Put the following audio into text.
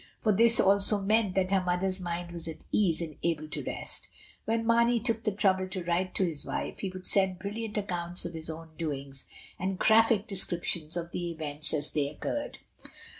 For this also meant that her mother's mind was at ease and able to rest. When Marney took the trouble to write to his wife, he would send brilliant accounts of his own doings, and graphic descriptions of the events as they oc curred.